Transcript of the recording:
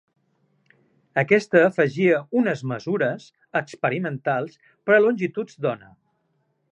Aquesta afegia unes mesures experimentals per a longituds d'ona.